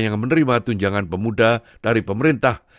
yang menerima tunjangan pemuda dari pemerintah